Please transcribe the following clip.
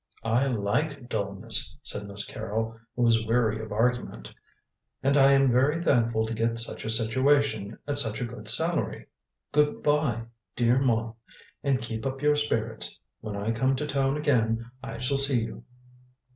"I like dullness," said Miss Carrol, who was weary of argument, "and I am very thankful to get such a situation at such a good salary. Good bye, dear Ma, and keep up your spirits. When I come to town again I shall see you."